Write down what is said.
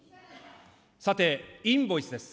さて、インボイスです。